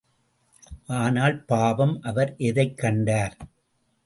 ஆனால் பாவம், அவர் எதைக் கண்டார்?